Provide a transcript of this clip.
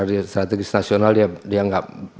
artinya strategis nasional dia enggak kecil